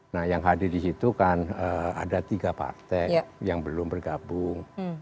nah yang hadir di situ kan ada tiga partai yang belum bergabung